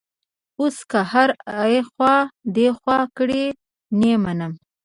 اوس که هر ایخوا دیخوا کړي، نه مني.